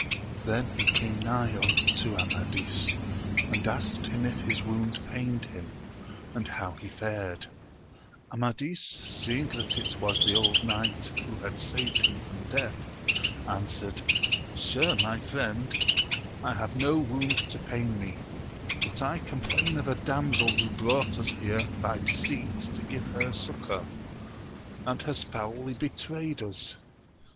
He then came nigh to Amadis, and asked him if his wound pained him, and how he fared. Amadis 9eing that it waa tti^ o\Sl\hi\^\»^Vq V^ ^a^^'^Wsssss^ AMADIS OF GAUL 183 from death, answered, Sir, my friend, I have no wound to pain me ; but I complain of a damsel who brought us here by deceit to give her succour, and has foully betrayed us.